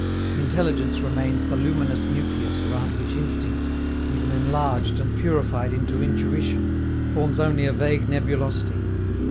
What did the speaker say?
Intelligence remains the luminous nucleus around which instinct, even enlarged and purified into intuition, forms only a vague nebulosity.